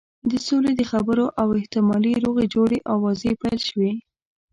د سولې د خبرو او احتمالي روغې جوړې آوازې پیل شوې.